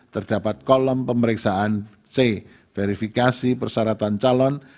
terdapat kolom pemeriksaan c verifikasi persyaratan calon